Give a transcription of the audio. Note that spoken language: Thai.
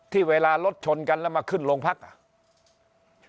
เวลารถชนกันแล้วมาขึ้นโรงพักอ่ะ